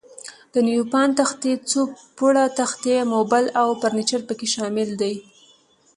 د نیوپان تختې، څو پوړه تختې، موبل او فرنیچر پکې شامل دي.